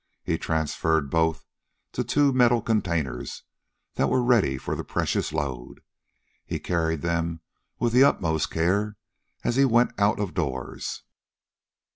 He transferred both to two metal containers that were ready for the precious load. He carried them with the utmost care as he went out of doors.